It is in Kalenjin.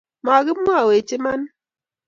Makimwaiwech imanit